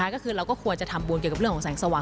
ก็คือเราก็ควรจะทำบุญเกี่ยวกับเรื่องของแสงสว่าง